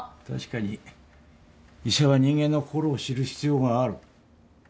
確かに医者は人間の心を知る必要がある。